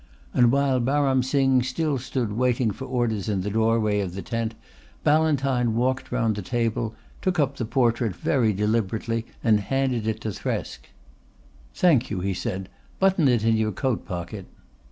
And while Baram Singh still stood waiting for orders in the doorway of the tent Ballantyne walked round the table, took up the portrait very deliberately and handed it to Thresk. "Thank you," he said. "Button it in your coat pocket."